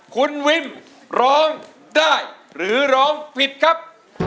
คุณวิมร้องได้หรือร้องผิดครับ